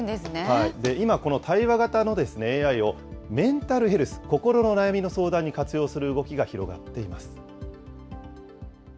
今、対話型のＡＩをメンタルヘルス、心の悩みの相談に活用する動きが広がっています。